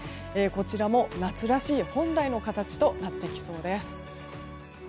こちらも夏らしい本来の形となってきそうです。